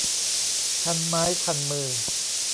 คันไม้คันมือ